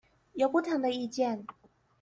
有不同的意見